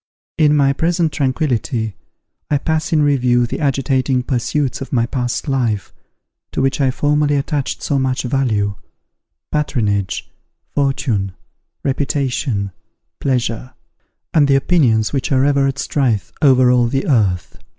In my present tranquillity, I pass in review the agitating pursuits of my past life, to which I formerly attached so much value, patronage, fortune, reputation, pleasure, and the opinions which are ever at strife over all the earth.